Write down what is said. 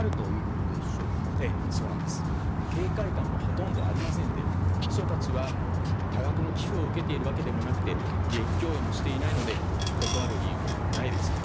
警戒感もほとんどありませんで秘書たちは多額の寄付を受けているわけでもなくて利益供与もしていないので断る理由もないです。